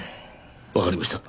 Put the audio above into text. わかりました。